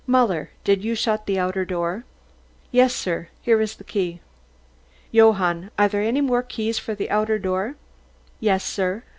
Muller, did you shut the outer door?" "Yes, sir; here is the key." "Johann, are there any more keys for the outer door?" "Yes, sir.